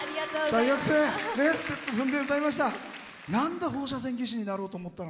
大学生ステップ踏んで歌いました。